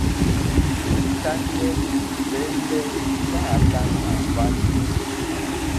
È tánɛ́ lìhwɛ́lɛ́ hwáàlánà hwáɲú.